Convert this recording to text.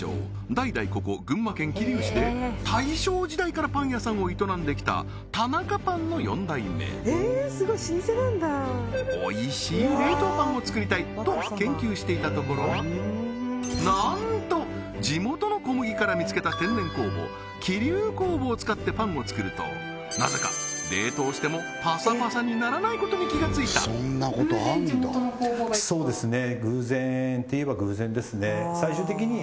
代々ここ群馬県桐生市で大正時代からパン屋さんを営んできたタナカパンの４代目おいしい冷凍パンを作りたいと研究していたところなんと地元の小麦から見つけた天然酵母桐生酵母を使ってパンを作るとなぜか冷凍してもパサパサにならないことに気がついたそうですね